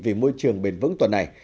vì môi trường cứu hộ gấu tam đào